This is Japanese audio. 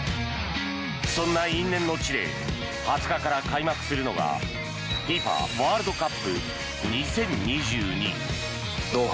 そんな因縁の地で２０日から開幕するのがＦＩＦＡワールドカップ２０２２。